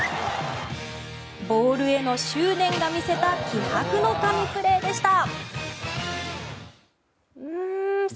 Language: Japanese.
ボールへの執念が見せた気迫の神プレーでした。